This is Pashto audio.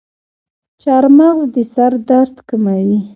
چارمغز د سر درد کموي.